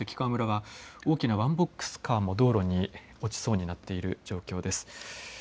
関川村は大きなワンボックスカーも道路に落ちそうになっている状況です。